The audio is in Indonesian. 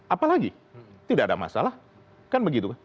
apalagi tidak ada masalah kan begitu kan